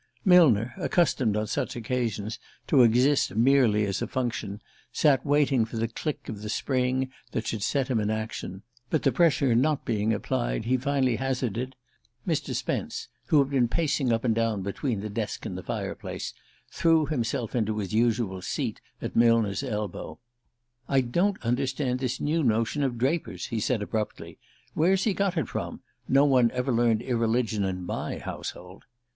Millner, accustomed on such occasions to exist merely as a function, sat waiting for the click of the spring that should set him in action; but the pressure not being applied, he finally hazarded: "Are we to go on with the Investigator, sir?" Mr. Spence, who had been pacing up and down between the desk and the fireplace, threw himself into his usual seat at Millner's elbow. "I don't understand this new notion of Draper's," he said abruptly. "Where's he got it from? No one ever learned irreligion in my household."